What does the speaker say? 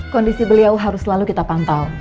kondisi beliau harus selalu kita pantau